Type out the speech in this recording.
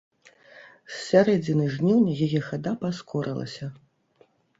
З сярэдзіны жніўня яе хада паскорылася.